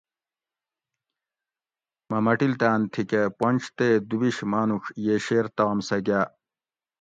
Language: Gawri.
مہ مٹلتان تھی کہ پونج تے دوبیش مانوڄ ییشیر تام سہ گاۤ